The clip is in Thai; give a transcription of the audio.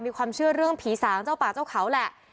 มีความเชื่อเรื่องผีสางเจ้าป่าเจ้าเขาแหละ